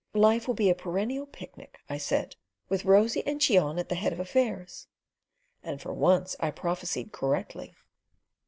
"Life will be a perennial picnic," I said, "with Rosy and Cheon at the head of affairs"; and for once I prophesied correctly.